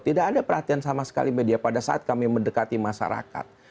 tidak ada perhatian sama sekali media pada saat kami mendekati masyarakat